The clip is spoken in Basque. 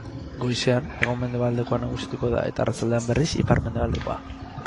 Goizean, hego-mendebaldekoa nagusituko da eta arratsaldean, berriz, ipar-mendebaldekoa.